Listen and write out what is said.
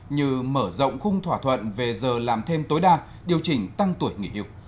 như mở rộng khung thỏa thuận về giờ làm thêm tối đa điều chỉnh tăng tuổi nghỉ hiệu